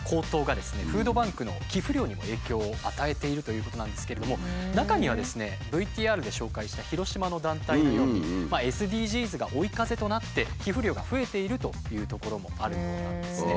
フードバンクの寄付量にも影響を与えているということなんですけれども中にはですねＶＴＲで紹介した広島の団体のようにＳＤＧｓが追い風となって寄付量が増えているという所もあるようなんですね。